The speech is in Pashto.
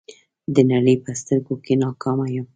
د نړۍ په سترګو کې ناکامه یم.